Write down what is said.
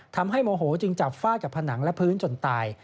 ทำให้โมโหจึงจับฝ้าจากผนังและพื้นจนตาย